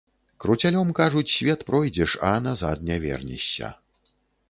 Круцялём, кажуць, свет пройдзеш, а назад не вернешся.